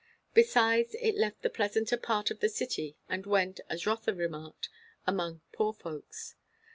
Besides, it left the pleasanter part of the city and went, as Rotha remarked, among poor folks.